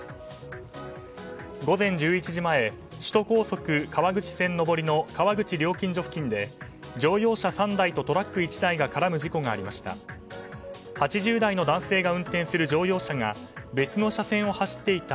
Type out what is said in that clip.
午前１１時前首都高速川口線上りの川口料金所付近で乗用車３台とトラック１台が絡む事故がありました。